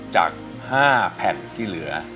จาก๕แผ่นที่เหลือ